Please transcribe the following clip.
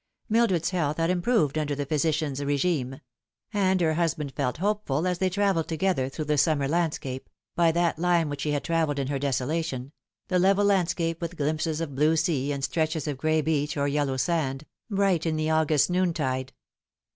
Mildred's health had improved under the physician's regime; and her husband felt hopeful as they travelled together through the summer landscape, by that line which she had travelled in her desolation the level landscape with glimpses of blue sea and stretches of gray beach or yellow sand, bright in the August noontide.